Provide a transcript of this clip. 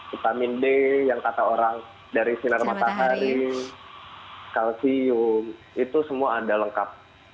vitamin d yang kata orang dari sinar matahari kalsium itu semua ada lengkap